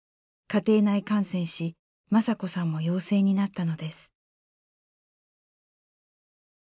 家庭内感染し雅子さんも陽性になったのです。